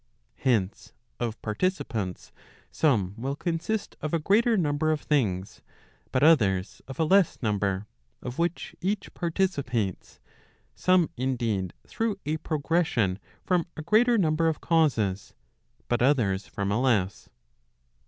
Hence, of participants some will consist of a greater number of things, but others, of a less number, of which each participates, some indeed through a progression from a Digitized by t^OOQLe 342 ELEMENTS PROP. LIX. LX. greater number of causes, but others from a less.